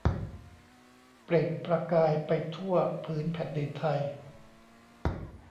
เปล่งประกายไปทั่วผืนแผ่นดินไทย